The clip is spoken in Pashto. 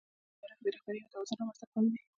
دا په اداره کې د رهبرۍ او توازن رامنځته کول دي.